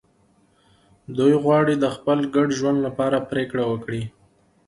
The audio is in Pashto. دوی غواړي د خپل ګډ ژوند لپاره پرېکړه وکړي.